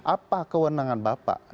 apa kewenangan bapak